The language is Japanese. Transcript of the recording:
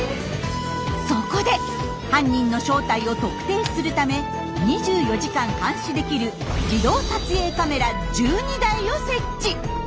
そこで犯人の正体を特定するため２４時間監視できる自動撮影カメラ１２台を設置。